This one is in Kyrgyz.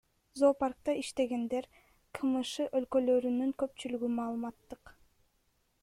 Зоопаркта иштегендер, КМШ өлкөлөрүнүн көпчүлүк маалыматтык